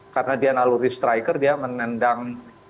karena dia naluri striker dia menendang